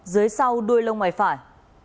dưới sau đuôi lông ngoài phải